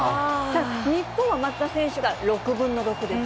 日本は松田選手が６分の６です。